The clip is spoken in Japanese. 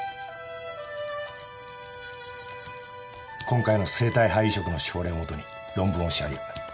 今回の生体肺移植の症例を元に論文を仕上げる。